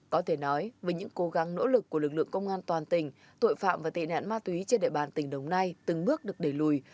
có thể nói với những cố gắng nỗ lực của lực lượng công an toàn tỉnh tội phạm và tệ nạn ma túy trên địa bàn tỉnh đồng nai từng bước được đẩy lùi